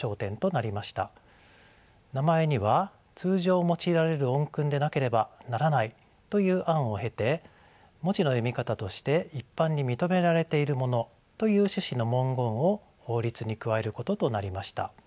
名前には通常用いられる音訓でなければならないという案を経て文字の読み方として一般に認められているものという趣旨の文言を法律に加えることとなりました。